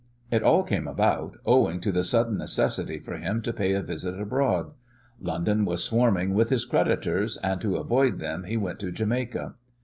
It all came about owing to the sudden necessity for him to pay a visit abroad. London was swarming with his creditors, and to avoid them he went to Jamaica.